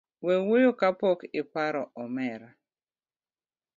We wuoyo kapok iparo omera.